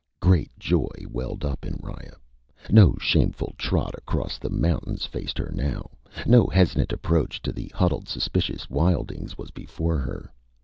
_ Great joy welled up in Riya. No shameful trot across the mountains faced her now. No hesitant approach to the huddled, suspicious wildlings was before her.